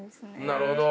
なるほど。